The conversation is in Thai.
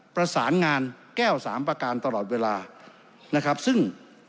ประสานงานแก้วสามประการตลอดเวลานะครับซึ่ง